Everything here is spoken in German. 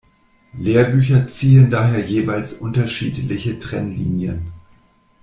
Lehrbücher ziehen daher jeweils unterschiedliche Trennlinien.